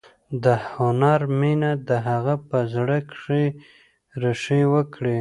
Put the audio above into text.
د هنر مینه د هغه په زړه کې ریښې وکړې